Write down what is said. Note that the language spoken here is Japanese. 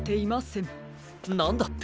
なんだって？